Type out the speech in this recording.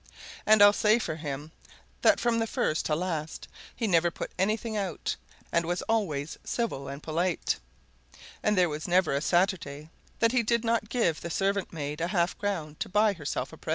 And I'll say for him that from first to last he never put anything out, and was always civil and polite, and there was never a Saturday that he did not give the servant maid a half crown to buy herself a present.